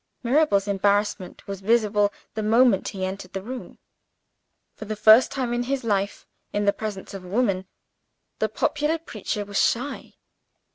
Mirabel's embarrassment was visible the moment he entered the room. For the first time in his life in the presence of a woman the popular preacher was shy.